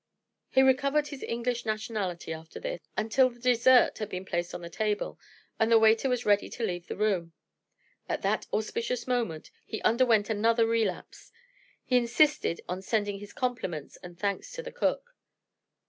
He recovered his English nationality, after this, until the dessert had been placed on the table, and the waiter was ready to leave the room. At that auspicious moment, he underwent another relapse. He insisted on sending his compliments and thanks to the cook.